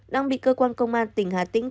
đang bị cơ quan công an tỉnh hà tĩnh